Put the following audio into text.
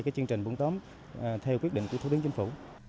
chương trình buôn tóm theo quyết định của thủ tướng chính phủ